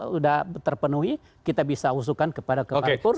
sudah terpenuhi kita bisa usukan kepada kepan purnam